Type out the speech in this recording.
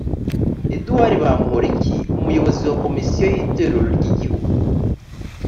edouard bamporiki umuyobozi wa komisiyo y itorero ry igihugu